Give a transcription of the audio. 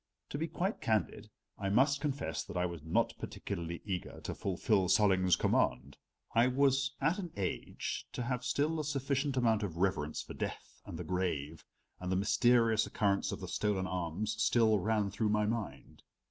To be quite candid I must confess that I was not particularly eager to fulfill Solling's command. I was at an age to have still a sufficient amount of reverence for death and the grave, and the mysterious occurrence of the stolen arms still ran through my mind.